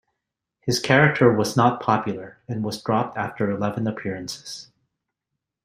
His character was not popular, and was dropped after eleven appearances.